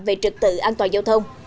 về trật tự an toàn giao thông